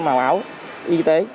màu áo y tế